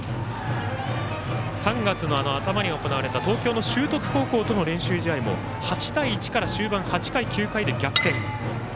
３月の頭に行われた東京の修徳高校との練習試合でも８対１から終盤、８回９回で逆転。